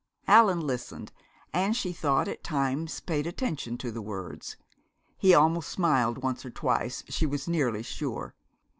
Allan listened, and, she thought, at times paid attention to the words. He almost smiled once or twice, she was nearly sure.